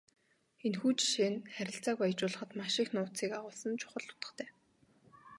Энэхүү жишээ нь харилцааг баяжуулахад маш их нууцыг агуулсан чухал утгатай.